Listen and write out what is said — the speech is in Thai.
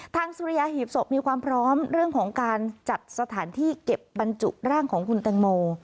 สุริยาหีบศพมีความพร้อมเรื่องของการจัดสถานที่เก็บบรรจุร่างของคุณแตงโม